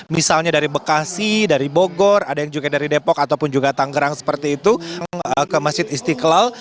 misalnya dari bekasi dari bogor ada yang juga dari depok ataupun juga tanggerang seperti itu ke masjid istiqlal